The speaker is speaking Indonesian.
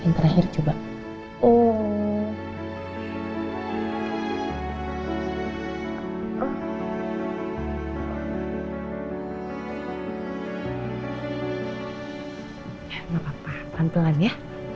gimana pelan pelan ya